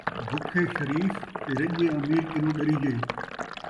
بکھے شریف تے رڄے امیر کنوں ݙریجے